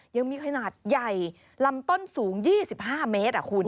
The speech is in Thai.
ยังมีขนาดใหญ่ลำต้นสูง๒๕เมตรคุณ